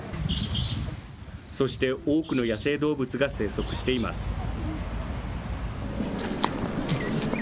そして多くの野生動物が生息しています。